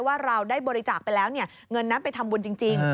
ว่าเราได้บริจาคไปแล้วเงินนั้นไปทำบุญจริง